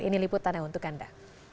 ini liputannya untuk anda